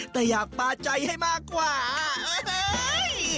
แต่อยากปาใจให้มากกว่าเฮ้ย